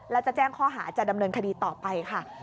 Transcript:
และจะแจ้งข้อหาจะดำเนินคดีต่อไปค่ะ